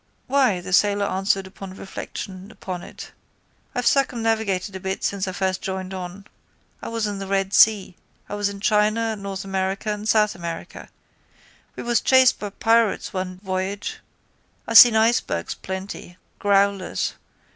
—Why, the sailor answered upon reflection upon it, I've circumnavigated a bit since I first joined on. I was in the Red Sea. I was in China and North America and South America. We was chased by pirates one voyage. I seen icebergs plenty, growlers.